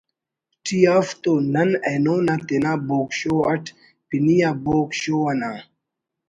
T if تو نن اینو نا تینا ”بوگ شو“ اٹ پنی آ بوگ شو انا